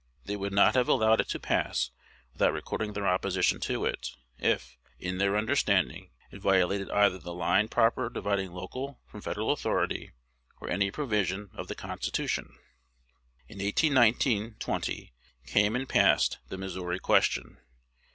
They would not have allowed it to pass without recording their opposition to it, if, in their understanding, it violated either the line proper dividing local from Federal authority or any provision of the Constitution. In 1819 20 came and passed the Missouri question.